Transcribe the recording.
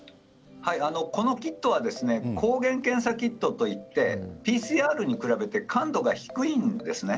このキットは抗原検査キットといってＰＣＲに比べて感度が低いんですね。